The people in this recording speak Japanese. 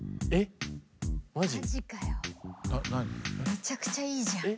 めちゃくちゃいいじゃん。